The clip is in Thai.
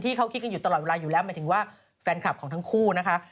เขาคิดกันอยู่ตลอดเวลาอยู่แล้วหมายถึงว่าแฟนคลับของทั้งคู่นะคะ